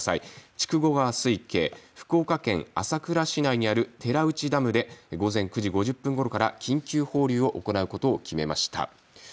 筑後川水系、福岡県朝倉市内にある寺内ダムで午前９時５０分ごろから緊急放流を行うことを決めました。